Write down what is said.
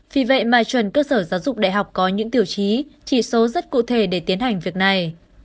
vì vậy mà chuẩn cơ sở giáo dục đại học có những tiêu chí chỉ số rất cụ thể để tiến hành việc này